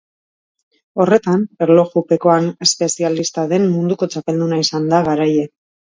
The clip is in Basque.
Horretan, erlojupekoan espezialista den munduko txapelduna izan da garaile.